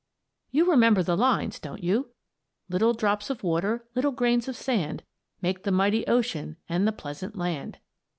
You remember the lines, don't you: "Little drops of water, little grains of sand Make the mighty ocean and the pleasant land."